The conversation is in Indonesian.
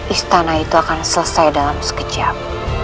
istana itu akan selesai dalam sekejap